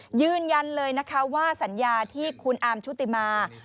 ยืนยันเลยนะคะว่าสัญญาที่คุณอาร์มชุติมา